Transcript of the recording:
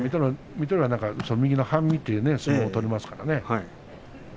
水戸龍は右の半身という相撲を取りますからね。